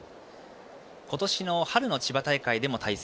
今年の春の千葉大会でも対戦。